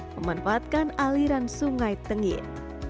memanfaatkan aliran sungai tenggit